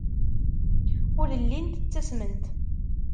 Ur llint ttasment.